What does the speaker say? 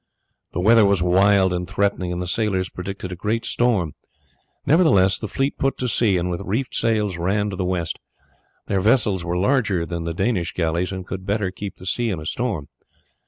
The weather was wild and threatening and the sailors predicted a great storm. Nevertheless the fleet put to sea and with reefed sails ran to the west. Their vessels were larger than the Danish galleys and could better keep the sea in a storm.